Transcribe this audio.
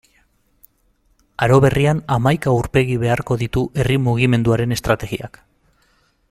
Aro berrian, hamaika aurpegi beharko ditu herri mugimenduaren estrategiak.